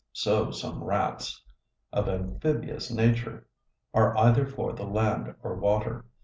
So some rats of amphibious nature Are either for the land or water.